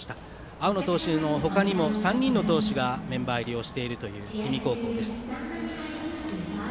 青野投手のほかにも３人の投手がメンバー入りをしているという氷見高校です。